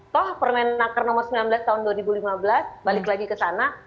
toh permenaker nomor sembilan belas tahun dua ribu lima belas balik lagi ke sana